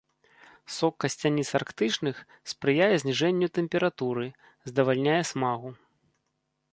Сок касцяніц арктычных спрыяе зніжэнню тэмпературы, здавальняе смагу.